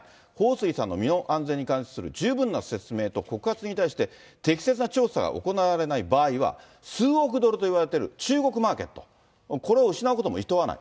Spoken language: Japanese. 彭帥さんの身の安全に関する十分な説明と告発に対して適切な調査が行われない場合は、数億ドルといわれてる中国マーケット、これを失うこともいとわない。